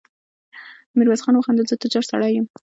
ميرويس خان وخندل: زه تجار سړی يم.